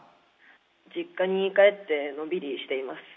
実家に帰って、のんびりしています。